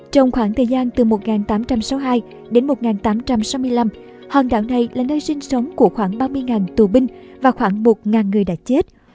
trong khoảng thời gian từ một nghìn tám trăm sáu mươi hai đến một nghìn tám trăm sáu mươi năm hòn đảo này là nơi sinh sống của khoảng ba mươi tù binh và khoảng một người đã chết